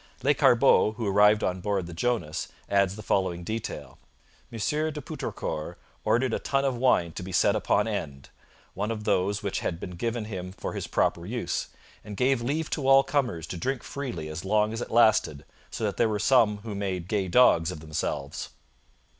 Lescarbot, who arrived on board the Jonas, adds the following detail: 'M. de Poutrincourt ordered a tun of wine to be set upon end, one of those which had been given him for his proper use, and gave leave to all comers to drink freely as long as it lasted, so that there were some who made gay dogs of themselves.'